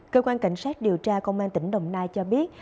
cơ quan cảnh sát điều tra công an tỉnh đồng nai cho biết